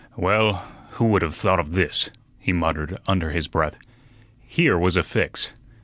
"Well, who would have thought of this?" he muttered under his breath. Here was a fix.